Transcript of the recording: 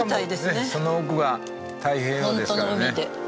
しかもその奥が太平洋ですからね。